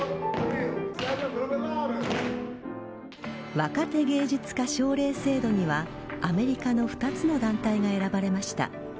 若手芸術家奨励制度にはアメリカの２つの団体が選ばれました。